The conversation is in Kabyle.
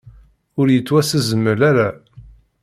Ur yettwasezmel ara.